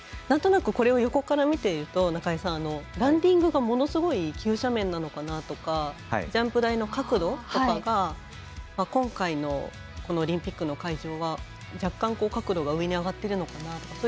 なんとなくこれを横から見ると中井さん、ランディングがものすごい急斜面なのかなとかジャンプ台の角度とかが今回のこのオリンピックの会場は若干角度が上に上がってるのかなと。